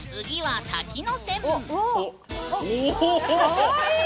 かわいい！